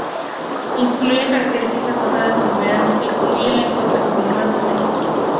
Incluía características basadas en el verano, incluida la 'Encuesta sobre el mar británico'.